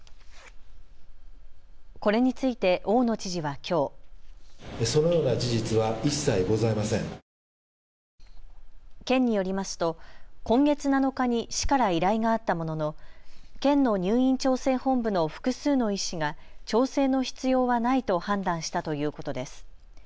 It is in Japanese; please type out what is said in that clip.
これについて大野知事はきょう。県によりますと今月７日に市から依頼があったものの県の入院調整本部の複数の医師が調整の必要はないと判断したということです。